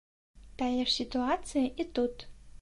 Тая ж сітуацыя і тут.